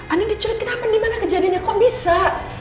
andin diculik kenapa dimana kejadiannya kok bisa